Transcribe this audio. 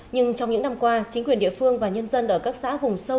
nhưng trong những năm qua chính quyền địa phương và nhân dân ở các xã vùng sâu